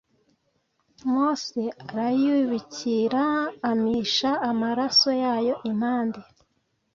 Mose arayib k ra amisha amaraso yayo impande